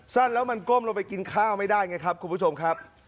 สั้นแล้วมันก้มลงไปกินข้าวไม่ได้ไงครับคุณผู้ชมครับ